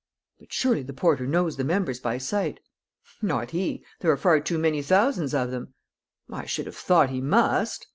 "But surely the porter knows the members by sight?" "Not he! There are far too many thousands of them." "I should have thought he must."